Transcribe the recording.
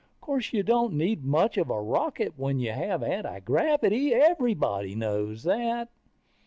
Course you don't need much of a rocket when you have antigravity. Everyone knows that.